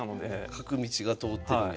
角道が通ってるんや。